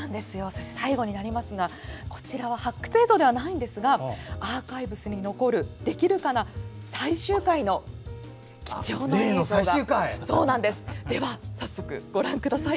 最後になりますがこちらは発掘映像ではないんですがアーカイブスに残る「できるかな」最終回の貴重な映像が。